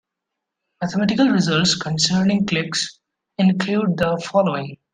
Mathematical results concerning cliques include the following.